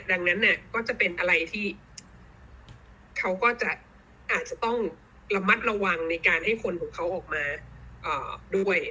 ดังนั้นก็จะเป็นอะไรที่เขาก็จะอาจจะต้องระมัดระวังในการให้คนของเขาออกมาด้วย